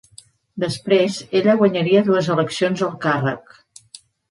Després, ella guanyaria dues eleccions al càrrec.